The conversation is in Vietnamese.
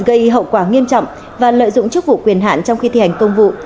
gây hậu quả nghiêm trọng và lợi dụng chức vụ quyền hạn trong khi thi hành công vụ